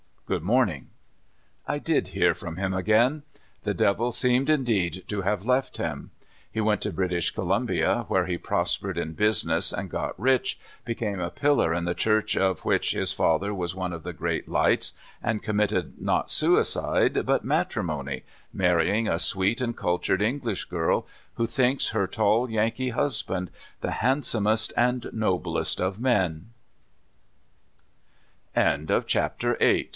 Good morning." I did hear from him again. The devil seemed indeed to have left him. He went to British Co lumbia, where he prospered in business and got rich, became a pillar in the Church of which his father was one of the great lights, and committed not suicide, but matrimony, marrying a sweet and cultured English girl, who thinks her tall yankee husband th